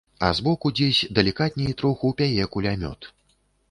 А збоку дзесь далікатней троху пяе кулямёт.